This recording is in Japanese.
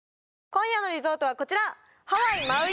今夜のリゾートはこちら！